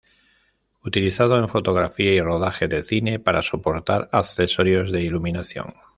Utilizado en fotografía y rodaje de cine para soportar accesorios de iluminación.